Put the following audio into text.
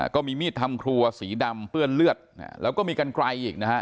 ก็มีมีดทำครัวสีดำเปื้อนเลือดแล้วก็มีกันไกลอีกนะฮะ